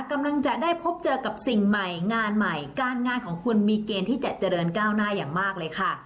กำลังจะได้พบเจอกับสิ่งใหม่งานใหม่การงานของคุณมีเกณฑ์ที่จะเจริญก้าวหน้าอย่างมากเลยค่ะ